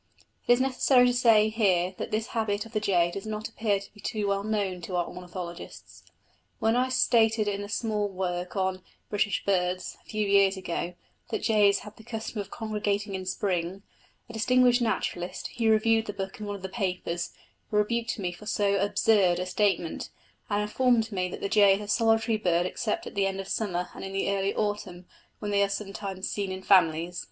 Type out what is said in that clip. It is necessary to say here that this habit of the jay does not appear to be too well known to our ornithologists. When I stated in a small work on British Birds a few years ago that jays had the custom of congregating in spring, a distinguished naturalist, who reviewed the book in one of the papers, rebuked me for so absurd a statement, and informed me that the jay is a solitary bird except at the end of summer and in the early autumn, when they are sometimes seen in families.